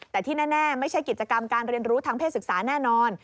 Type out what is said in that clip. แต่ที่แน่ไม่ใช่กิจกรรมการเรียนรู้ทางเพศศึกษาแน่นอน